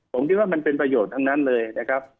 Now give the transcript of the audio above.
ผมคิดว่ามันเป็นประโยชน์ทั้งนั้นเลยนะครับ